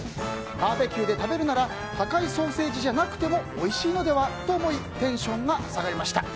バーベキューで食べるなら高いソーセージじゃなくてもおいしいのでは？と思いテンションが下がりました。